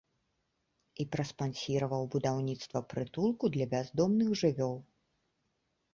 І праспансіраваў будаўніцтва прытулку для бяздомных жывёл.